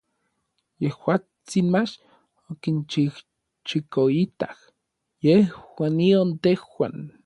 Yejuatsin mach okinchijchikoitak yejuan nion tejuan.